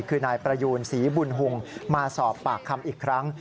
คือนายประยูนศรีบุญหุงมาสอบปากคำอีกครั้ง